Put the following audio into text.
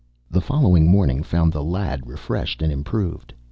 The following morning found the lad refreshed and improved.